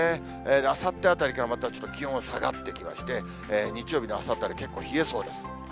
あさってあたりからまたちょっと気温が下がってきまして、日曜日の朝は結構冷えそうです。